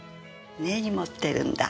根に持ってるんだ。